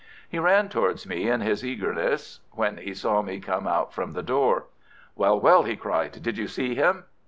He ran towards me in his eagerness when he saw me come out from the door. "Well, well!" he cried. "Did you see him?"